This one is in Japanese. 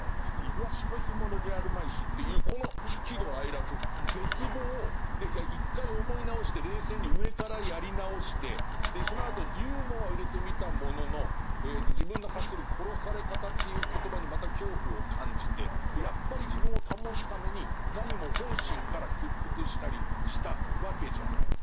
いわしの干物じゃあるまいし」っていうこの喜怒哀楽絶望で一回思い直して冷静に上からやり直してそのあとユーモアを入れてみたものの自分の発する「殺され方」という言葉にまた恐怖を感じてやっぱり自分を保つために「なにも本心から屈服したりしたわけじゃない」。